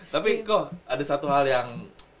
tapi kok ada satu hal yang